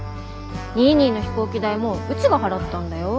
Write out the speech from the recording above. ニーニーの飛行機代もうちが払ったんだよ。